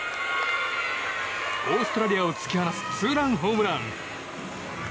オーストラリアを突き放すツーランホームラン。